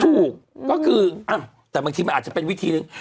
ถูกก็คือแต่บางทีมันอาจจะเป็นวิธีหนึ่ง